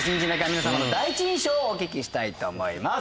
皆さまの第一印象をお聞きしたいと思います。